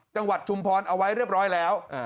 ชุมพรเอาไว้เรียบร้อยแล้ว